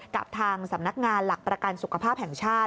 กับทางสำนักงานหลักประกันสุขภาพแห่งชาติ